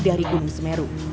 di gunung semeru